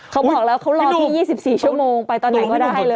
เขาบอกแล้วเขารอพี่๒๔ชั่วโมงไปตอนไหนก็ได้เลย